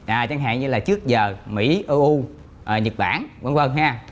à chẳng hạn như là trước giờ mỹ eu nhật bản v v ha